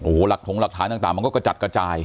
โอ้โหหลักถงหลักฐานต่างมันก็กระจัดกระจาย